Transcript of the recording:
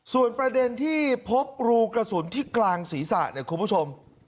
ส่วนประเด็นที่พบรูกระสุนที่กลางศีรษะเนี่ยคุณผู้ชม